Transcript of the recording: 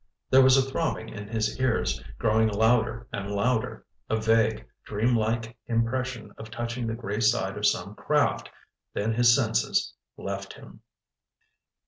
There was a throbbing in his ears, growing louder and louder. A vague, dreamlike impression of touching the gray side of some craft—then his senses left him.